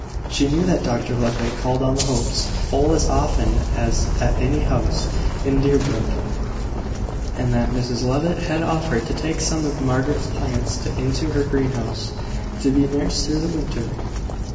She knew that Dr Levitt called on the Hopes full as often as at any house in Deerbrook; and that Mrs Levitt had offered to take some of Margaret's plants into her greenhouse, to be nursed through the winter.